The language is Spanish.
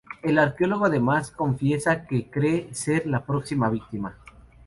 El arqueólogo además le confiesa que cree ser la próxima víctima.